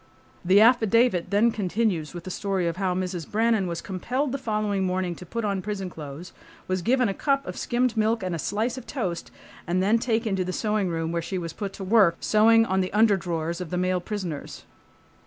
.. The affidavit then continues with the story of how Mrs. Brannan was compelled the following morning to put on prison clothes, was given a cup of skimmed milk and a slice of toast, and then taken to the sewing room, where she was put to work sewing on the underdrawers of the male prisoners.